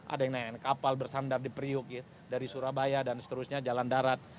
ada yang naik kapal bersandar di priuk dari surabaya dan seterusnya jalan darat